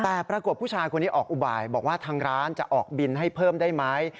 แต่ปรากฏผู้ชายคนนี้ออกอุบายบอกว่าทางร้านจะออกบินให้เพิ่มได้ไหม